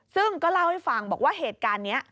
ซึ่งก็เล่าให้ฟังบอกว่าเหตุการณ์นี้